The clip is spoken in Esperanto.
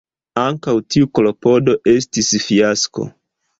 Ankaŭ tiu klopodo estis fiasko.